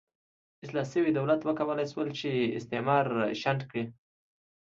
اصلاح شوي دولت وکولای شول چې استعمار شنډ کړي.